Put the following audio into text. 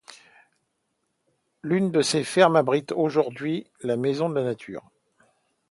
L'une de ces fermes abrite aujourd'hui la Maison de la Nature.